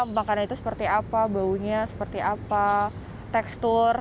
makanan itu seperti apa baunya seperti apa tekstur